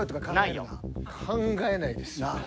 考えないですよ。